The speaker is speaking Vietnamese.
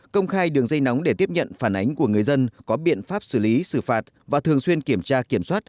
công khai đường dây nóng để tiếp nhận phản ánh của người dân có biện pháp xử lý xử phạt và thường xuyên kiểm tra kiểm soát